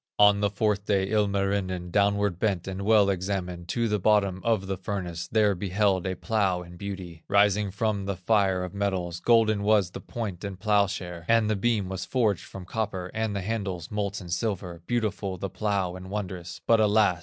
On the fourth day, Ilmarinen Downward bent and well examined, To the bottom of the furnace; There beheld a plow in beauty Rising from the fire of metals, Golden was the point and plowshare, And the beam was forged from copper, And the handles, molten silver, Beautiful the plow and wondrous; But alas!